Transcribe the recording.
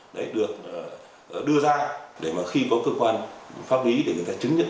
đấy được đưa ra để mà khi có cơ quan pháp lý để người ta chứng nhận